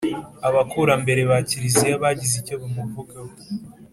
abakurambere ba kiliziya bagize icyo bamuvugaho